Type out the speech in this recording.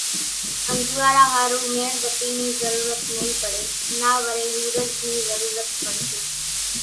انزوئارا ۿارو ميڻ ٻتي نِي ضرورت نئِي پڙي نا وري ۿورز نِي ضرورت پڙشي۔